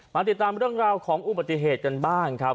มาติดตามเรื่องราวของอุบัติเหตุกันบ้างครับ